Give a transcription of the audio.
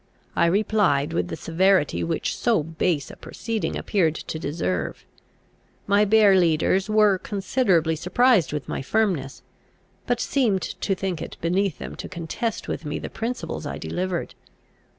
I replied with the severity which so base a proceeding appeared to deserve. My bear leaders were considerably surprised with my firmness, but seemed to think it beneath them to contest with me the principles I delivered.